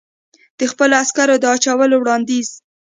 د خپلو عسکرو د اچولو وړاندیز.